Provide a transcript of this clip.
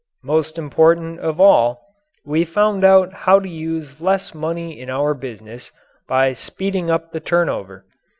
Most important of all, we found out how to use less money in our business by speeding up the turnover.